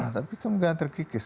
tapi kan terkikis